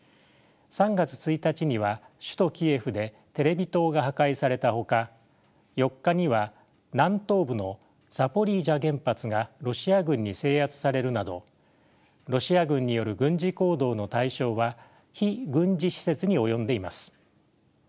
３月１日には首都キエフでテレビ塔が破壊されたほか４日には南東部のザポリージャ原発がロシア軍に制圧されるなどロシア軍による軍事行動の対象は非軍事施設に及んでいます。